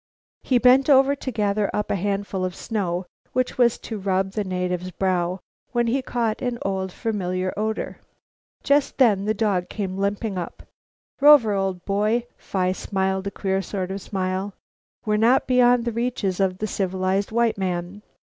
He bent over to gather up a handful of snow with which to rub the native's brow, when he caught an old, familiar odor. Just then the dog came limping up. "Rover, old boy," Phi smiled a queer sort of smile, "we're not beyond the reaches of the civilized white man.